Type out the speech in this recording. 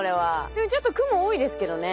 今日ちょっと雲多いですけどね。